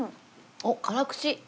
おっ辛口。